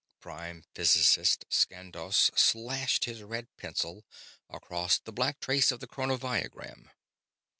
Prime Physicist Skandos slashed his red pencil across the black trace of the chronoviagram.